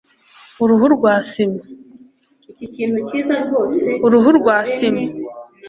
uruhu rwa sima